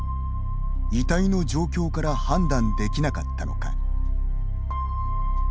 遺体の状況から判断できなかったのか。